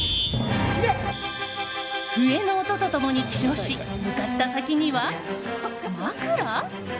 笛の音と共に起床し向かった先には、まくら？